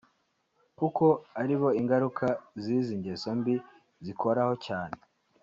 kuko aribo ingaruka z’izi ngeso mbi zikoraho cyane